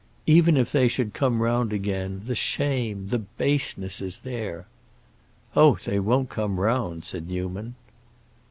"Even if they should come round again, the shame—the baseness—is there." "Oh, they won't come round!" said Newman.